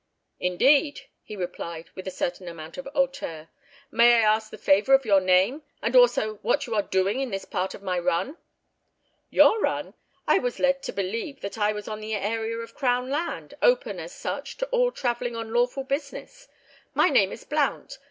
"Indeed!" he replied, with a certain amount of hauteur. "May I ask the favour of your name? and also what you are doing on this part of my run?" "Your run! I was led to believe that I was on the area of Crown land, open, as such, to all travelling on lawful business. My name is Blount.